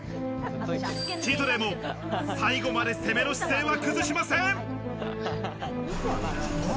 チートデイも最後まで攻めの姿勢は崩しません。